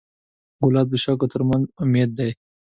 ګلاب د شګو تر منځ امید دی.